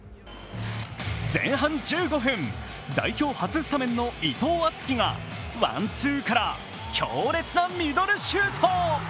前半１５分、代表初スタメンの伊藤敦樹がワンツーから強烈なミドルシュート。